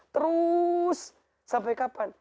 terus sampai kapan